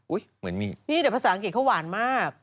อุ๊ยเหมือนมีพี่เดี๋ยวภาษาอังกฤษเข้าหวานมาก